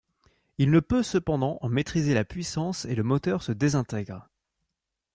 Il ne peut cependant en maîtriser la puissance et le moteur se désintègre.